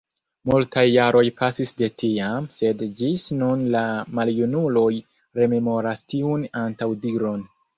Multaj jaroj pasis de tiam, sed ĝis nun la maljunuloj rememoras tiun antaŭdiron.